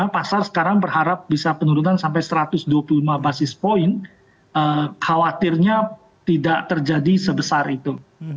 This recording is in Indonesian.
pasar sekarang berharap bisa penurunan sampai satu ratus dua puluh lima basis point khawatirnya tidak terjadi sebesar itu